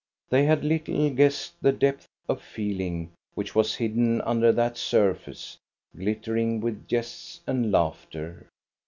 They had little guessed the depth of feeling which was hidden under that surface, glittering with jests and laughter.